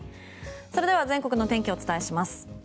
それでは全国のお天気をお伝えします。